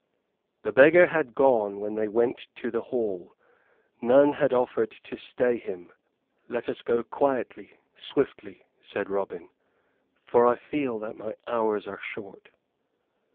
The beggar had gone when they went to the hall. None had offered to stay him. "Let us go quietly, swiftly," said Robin, "for I feel that my hours are short."